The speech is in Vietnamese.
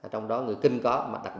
trong đó người kinh có